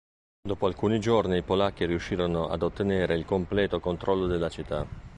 Dopo alcuni giorni i polacchi riuscirono ad ottenere il completo controllo della città.